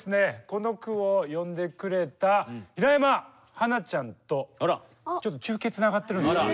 この句を詠んでくれた平山花菜ちゃんとちょっと中継つながってるんですよ。